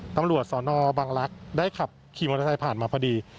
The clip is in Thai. ตำรวจสนบังลักษณ์ได้ขับขี่มอเตอร์ไซค์ผ่านมาพอดี